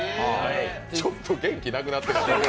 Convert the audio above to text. ちょっと元気なくなってる。